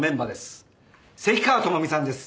関川朋美さんです。